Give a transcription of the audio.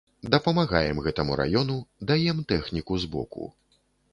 Дапамагаем гэтаму раёну, даем тэхніку збоку.